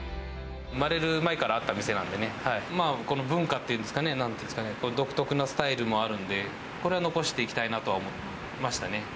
産まれる前からあった店なんでね、この文化っていうんですかね、なんていうんですかね、独特なスタイルもあるんで、これは残していきたいなとは思い